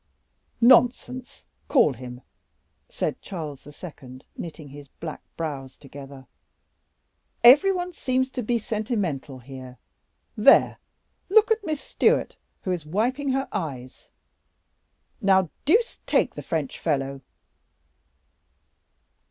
"Nonsense; call him," said Charles II., knitting his black brows together; "every one seems to be sentimental here. There, look at Miss Stewart, who is wiping her eyes, now deuce take the French fellow!"